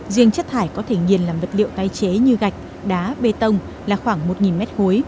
duyên chất thải có thể nghiền làm vật liệu tái chế như gạch đá bê tông là khoảng một m ba